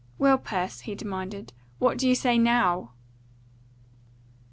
"Well, Pers," he demanded, "what do you say now?"